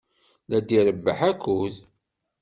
La d-irebbeḥ akud.